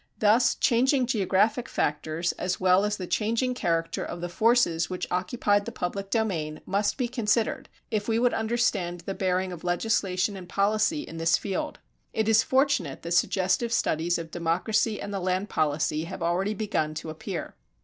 Thus changing geographic factors as well as the changing character of the forces which occupied the public domain must be considered, if we would understand the bearing of legislation and policy in this field.[329:1] It is fortunate that suggestive studies of democracy and the land policy have already begun to appear.